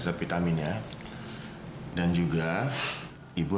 terima kasih pak